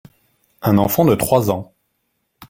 Un enfant de trois ans.